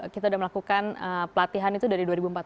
kita sudah melakukan pelatihan itu dari dua ribu empat belas